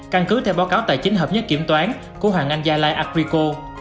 căn cứ theo báo cáo tài chính hợp nhất kiểm toán của hoàng anh gia lai aprico